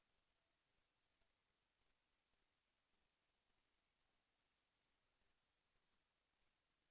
แสวได้ไงของเราก็เชียนนักอยู่ค่ะเป็นผู้ร่วมงานที่ดีมาก